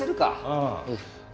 ああ。